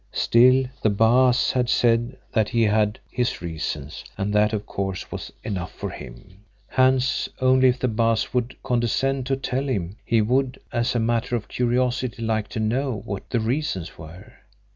Still, the Baas had said that he had his reasons, and that of course was enough for him, Hans, only if the Baas would condescend to tell him, he would as a matter of curiosity like to know what the reasons were.